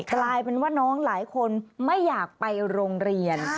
กลายเป็นว่าน้องหลายคนไม่อยากไปโรงเรียน